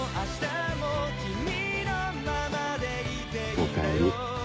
おかえり。